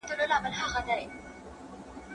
که ما تېره شپه ډوډۍ خوړلې وای، اوس به نه وم وږی.